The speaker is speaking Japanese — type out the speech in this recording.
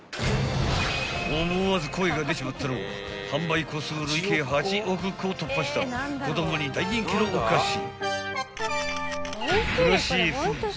［思わず声が出ちまったのは販売個数累計８億個を突破した子供に大人気のおかし］